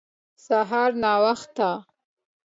سهار ناوخته